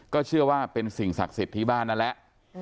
เชื่อว่าเป็นสิ่งศักดิ์สิทธิ์ที่บ้านนั่นแหละ